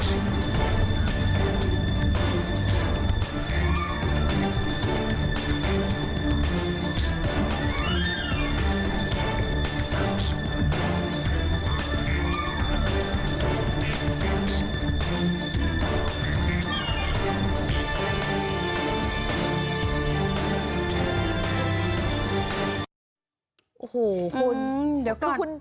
อุ้งเดี๋ยวก่อน